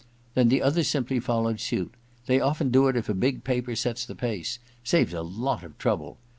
Then the others simply followed suit : they .often do if a big paper sets the pace. Saves a lot of trouble.